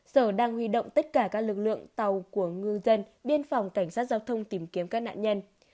sở đang huy động tất cả các lực lượng tàu của ngư dân biên phòng cảnh sát giao thông tìm kiếm các nạn nhân